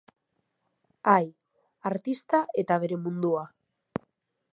Ai, artista eta bere mundua.